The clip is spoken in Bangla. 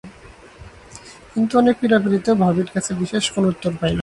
কিন্তু অনেক পীড়াপীড়িতেও ভবির কাছে বিশেষ কোনো উত্তর পাইল না।